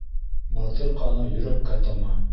Батыр ҡаны йөрәккә тама.